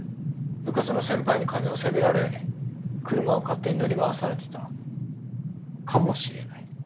部活の先輩に金をせびられ車を勝手に乗り回されてたかもしれない。